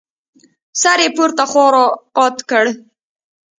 سر يې پورته خوا راقات کړ.